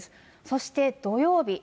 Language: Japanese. そして、土曜日。